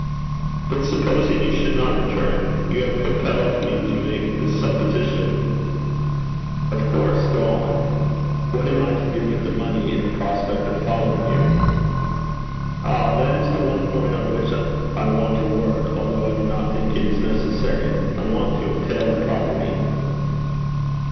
'But supposing you should not return you have compelled me to make the supposition ' 'Of course. Go on.' 'What am I to do with the money in the prospect of following you?' 'Ah! that is the one point on which I want a word, although I do not think it is necessary. I want to entail the property.'